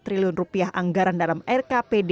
empat triliun rupiah anggaran dalam rkpd dua ribu delapan belas